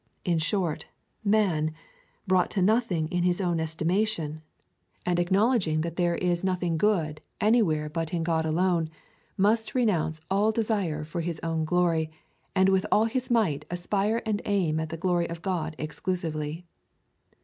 In short, man, brought to nothing in his own estimation, and acknow CHAP. II. 1. FIRST EPISTLE TO THE CORINTHIANS. 95 ledging that there is nothing good anywhere but in God alone, must renounce all desire for his own glory, and with all his might aspire and aim at the glory of God exclusively.